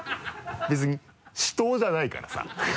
別に死闘じゃないからさ。